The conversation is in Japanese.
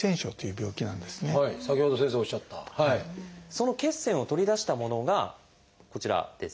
その血栓を取り出したものがこちらです。